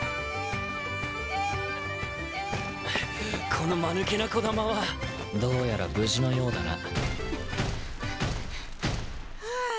このマヌケな木霊はどうやら無事のようだなふう